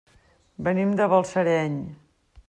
Venim de Balsareny.